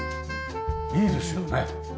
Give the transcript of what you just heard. いいですよね。